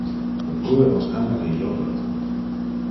Le pueros ama le yogurt.